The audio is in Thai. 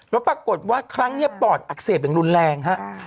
แล้วปรากฏว่าครั้งนี้ปอดอักเสบอย่างรุนแรงฮะ